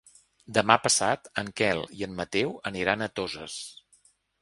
Demà passat en Quel i en Mateu aniran a Toses.